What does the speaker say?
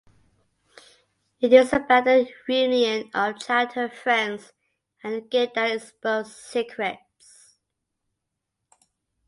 It is about the reunion of childhood friends and the game that exposed secrets.